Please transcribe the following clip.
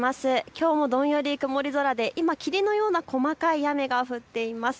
きょうもどんより曇り空で今、霧のような細かい雨が降っています。